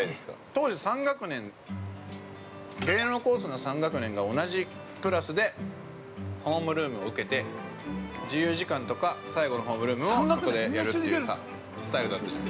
◆当時３学年、芸能コースの３学年が同じクラスでホームルームを受けて自由時間とか最後のホームルームをそこでやるというスタイルだったじゃん。